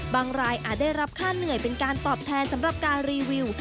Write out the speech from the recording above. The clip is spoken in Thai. รายอาจได้รับค่าเหนื่อยเป็นการตอบแทนสำหรับการรีวิว